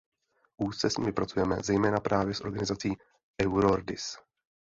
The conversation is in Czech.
Úzce s nimi pracujeme, zejména právě s organizací Eurordis.